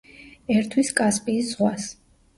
ერთვის კასპიის ზღვას.